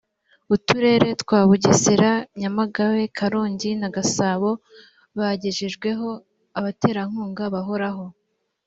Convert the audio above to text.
uturere twa bugesera nyamagabe karongi na gasabo bagejejweho abaterankunga bahoraho